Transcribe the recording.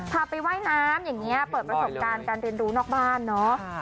พาไปว่ายน้ำอย่างนี้เปิดประสบการณ์การเรียนรู้นอกบ้านเนาะ